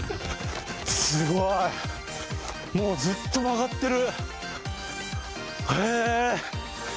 すごいもうずっと曲がってる。